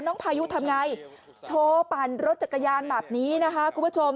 น้องพายุทำอย่างไรโชว์เป็นรถจักรยานแบบนี้นะครับคุณผู้ชม